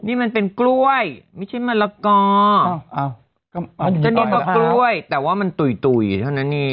นี่มันเป็นกล้วยไม่ใช่มะละกอก็นี่ก็กล้วยแต่ว่ามันตุ๋ยเท่านั้นเอง